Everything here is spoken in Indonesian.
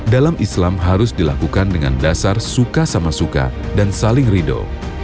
dalam islam harus dilakukan dengan dasar suka sama suka dan saling ridho